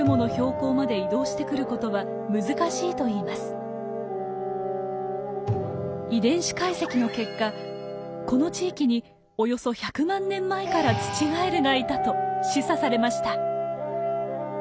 中村さんによると遺伝子解析の結果この地域におよそ１００万年前からツチガエルがいたと示唆されました。